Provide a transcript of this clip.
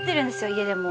家でも。